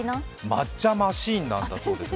抹茶マシンなんだそうです。